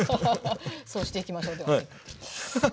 そうしていきましょうでは。